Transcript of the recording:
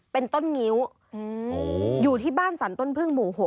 เป็นต้นงิ้วอยู่ที่บ้านสรรต้นพึ่งหมู่๖